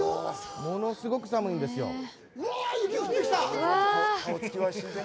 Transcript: ものすごく寒いんですよ。